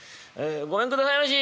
「ごめんくださいまし。